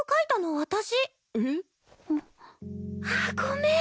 ああっごめん！